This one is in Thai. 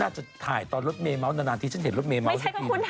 น่าจะถ่ายตอนรถเมเมาท์นานที่ฉันเห็นรถเมเมต์ที่พี่